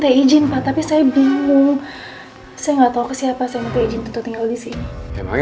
aparuh meskipun korang di luar wilayah nih